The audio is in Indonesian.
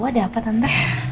ada apa tante